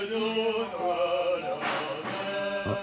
あっ？